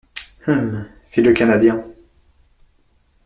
Hum! fit le Canadien.